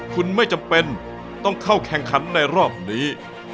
คุณไม่จำเป็นต้องเข้าแข่งขันในรอบนี้